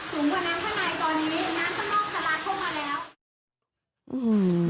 น้ำข้างนอกทะลักก็มาแล้ว